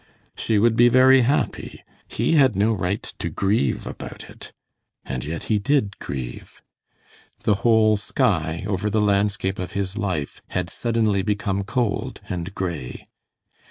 She would be very happy. He had no right to grieve about it. And yet he did grieve. The whole sky over the landscape of his life had suddenly become cold and gray.